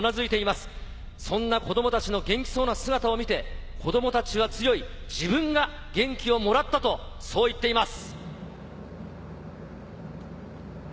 そんな子供たちの元気そうな姿を見て、子供たちは強い、自分が元気をもらったと言っています。